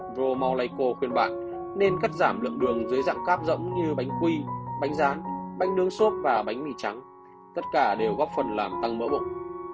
romorlaico khuyên bạc nên cắt giảm lượng đường dưới dạng cáp rỗng như bánh quy bánh rán bánh nướng xốp và bánh mì trắng tất cả đều góp phần làm tăng mỡ bụng